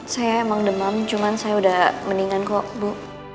saya emang demam cuman saya udah mendingan kok bu